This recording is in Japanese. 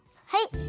はい。